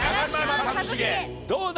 どうだ？